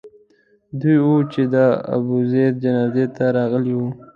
دوی وو چې د ابوزید جنازې ته راغلي وو.